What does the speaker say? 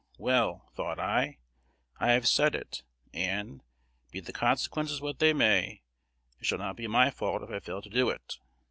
"Well," thought I, "I have said it, and, be the consequences what they may, it shall not be my fault if I fail to do it."